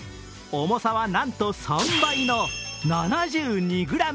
重さはなんと３倍の７２ｇ。